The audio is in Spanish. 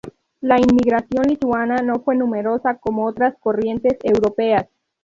La inmigración lituana no fue numerosa como otras corrientes europeas.